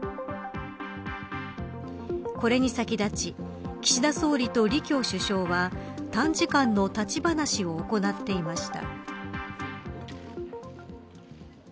これに先立ち岸田総理と李強首相は短時間の立ち話を行っていました。